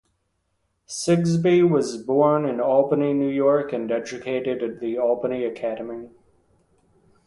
Sigsbee was born in Albany, New York, and educated at The Albany Academy.